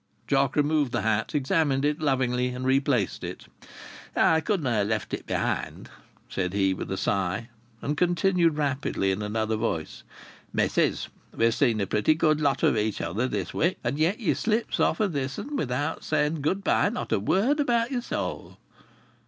Jock removed the hat, examined it lovingly and replaced it. "I couldn't ha' left it behind," said he, with a sigh, and continued rapidly in another voice: "Missis, we'n seen a pretty good lot o' each other this wik, and yet ye slips off o'this'n, without saying good bye, nor a word about yer soul!"